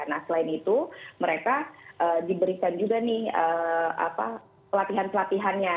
nah selain itu mereka diberikan juga nih latihan latihannya